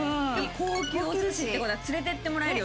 「高級お寿司」って事は連れていってもらえるよ。